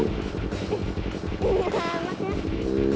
ih enak ya